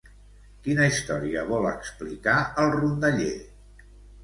Quina història vol explicar el rondaller?